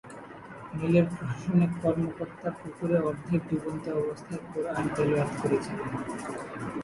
মিলের প্রশাসনিক কর্মকর্তা পুকুরে অর্ধেক ডুবন্ত অবস্থায় কোরআন তেলাওয়াত করছিলেন।